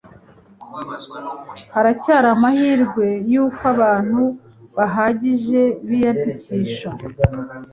haracyari amahirwe yuko abantu bahagije biyandikisha .